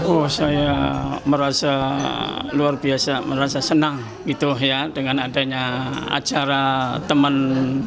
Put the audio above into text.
oh saya merasa luar biasa merasa senang gitu ya dengan adanya acara teman